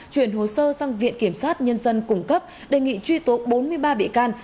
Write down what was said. chuyển hồ sơ sang viện kiểm sát nhân dân cung cấp đề nghị truy tố bốn mươi ba bị can